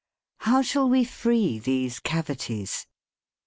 How shall we free these cavities